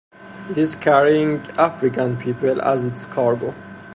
It is carrying African people as its cargo.